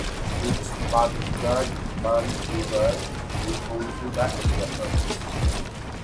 Its Pagatban River is home to the alligator.